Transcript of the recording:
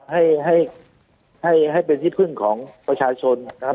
ให้ให้เป็นที่พึ่งของประชาชนนะครับ